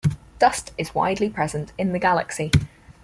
Dust is widely present in the galaxy.